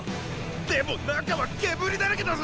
でも中は煙だらけだぞ！